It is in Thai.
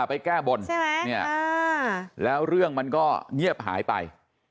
อ๋อไปแก้บนแล้วเรื่องจะเหนียบหายไป